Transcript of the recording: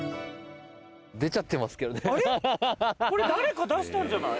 これ誰か出したんじゃない？